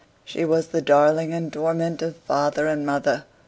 She was the darling and torment of father and mother.